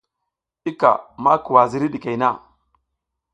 I ka ma kuwa ziriy ɗikey na.